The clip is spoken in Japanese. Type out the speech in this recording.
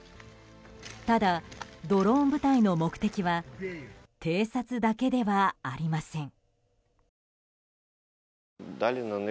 ただ、ドローン部隊の目的は偵察だけではありません。